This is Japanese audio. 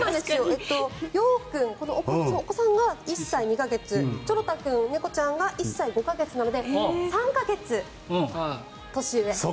陽君、お子さんが１歳２か月ちょろ太君、猫ちゃんが１歳５か月なので３か月、年上。